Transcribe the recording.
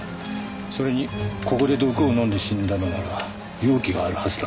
それにここで毒を飲んで死んだのなら容器があるはずだ。